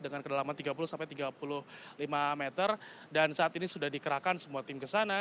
dengan kedalaman tiga puluh sampai tiga puluh lima meter dan saat ini sudah dikerahkan semua tim ke sana